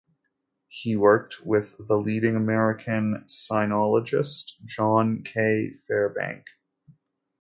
He worked with the leading American Sinologist John K. Fairbank.